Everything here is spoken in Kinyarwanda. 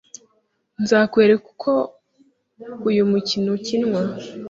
Nzakwereka uko uyu mukino ukinwa.